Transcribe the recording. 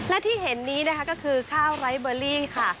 และที่เห็นนี้นะคะก็คือข้าวไร้เบอร์ลิ่งค่ะ